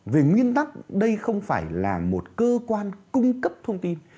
về nguyên tắc đây không phải là một cơ quan cung cấp thông tin